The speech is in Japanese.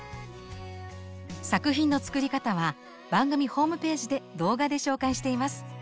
作品の作り方は番組ホームページで動画で紹介しています。